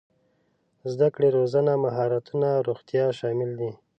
زده کړه روزنه مهارتونه روغتيا شامل دي.